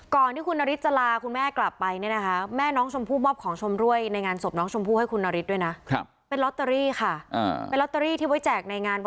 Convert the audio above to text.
ก่อนที่คุณนฤทธิจะลาคุณแม่กลับไปเนี่ยนะคะแม่น้องชมพู่มอบของชมรวยในงานศพน้องชมพู่ให้คุณนฤทธิ์ด้วยนะ